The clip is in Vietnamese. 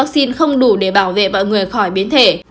vaccine không đủ để bảo vệ mọi người khỏi biến thể